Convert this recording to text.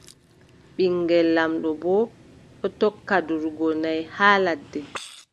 Ɓiŋngel laamɗo boo ɗon tokka durugo naʼi haa ladde.